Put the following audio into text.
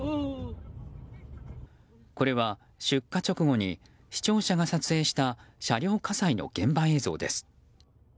これは出火直後に視聴者が撮影した車両火災の現場映像です。